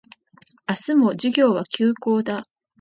明日も授業は休講だ